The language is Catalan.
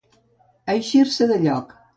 Eixir-se de lloc.